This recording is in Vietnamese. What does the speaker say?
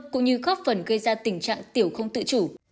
cũng như góp phần gây ra tình trạng tiểu không tự chủ